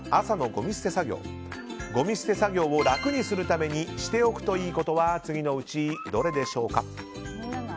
ごみ捨て作業を楽にするためにしておくといいことは次のうち、どれでしょうか。